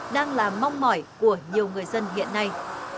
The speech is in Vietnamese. đang là mong mỏi của nhiều người dân hiện nay